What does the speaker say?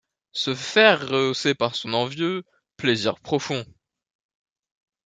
Se faire rehausser par son envieux, plaisir profond.